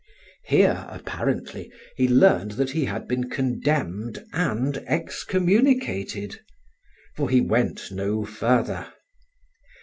Here, apparently, he learned that he had been condemned and excommunicated; for he went no further.